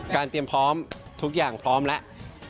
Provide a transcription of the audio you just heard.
เตรียมพร้อมทุกอย่างพร้อมแล้ว